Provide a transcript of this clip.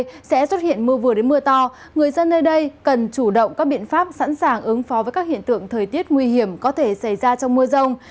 rông sẽ xuất hiện mưa vừa đến mưa to người dân nơi đây cần chủ động các biện pháp sẵn sàng ứng phó với các hiện tượng thời tiết nguy hiểm có thể xảy ra trong mưa rông